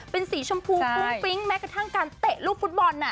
เป็นสีชมพูฟุ้งฟริ้งแม้กระทั่งการเตะลูกฟุตบอลน่ะ